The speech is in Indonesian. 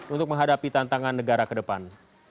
untuk menghadapi tantangan negara ke depan